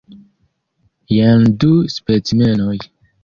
Jen du specimenoj.